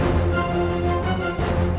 aku mau ke rumah